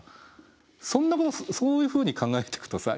そういうふうに考えていくとさ